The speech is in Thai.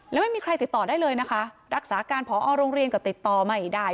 แล้วไม่มีใครติดต่อได้เลยนะคะรักษาการพอโรงเรียนก็ติดต่อไม่ได้